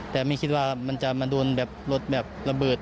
แต่ไม่คิดว่ามันจะมาโดนแบบรถแบบระเบิด